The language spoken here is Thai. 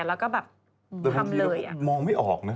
แต่บางทีมองไม่ออกนะ